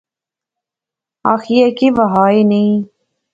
آخیئے کی وہا ایہہ نئیں